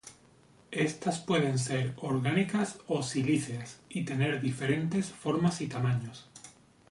Estas pueden ser orgánicas o silíceas y tener diferentes formas y tamaños.